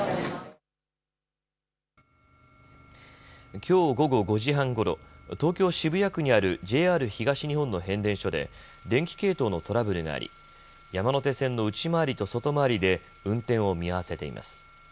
きょう午後５時半ごろ東京渋谷区にあるＪＲ東日本の変電所で電気系統のトラブルがあり、山手線の内回りと外回りで運転を見合わせています。